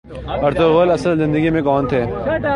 Ertugrul اصل زندگی میں کون تھے